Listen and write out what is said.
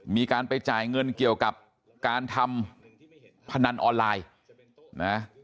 มีการไปจ่ายเงินเกี่ยวกับการทำพนันออนไลน์นะ